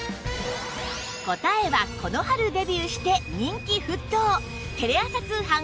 答えはこの春デビューして人気沸騰テレ朝通販